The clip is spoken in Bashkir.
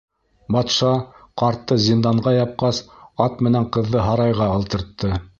Батша, ҡартты зинданға япҡас, ат менән ҡыҙҙы һарайға алдыртты.